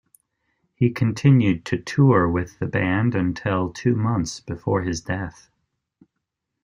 He continued to tour with the band until two months before his death.